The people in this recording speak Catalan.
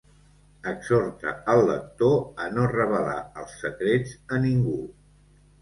Exhorta al lector a no revelar els secrets a ningú.